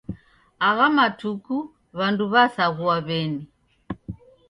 Agha matuku w'andu w'asaghua w'eni.